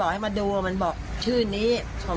คือบ้านเขาอยู่บัดเก็ต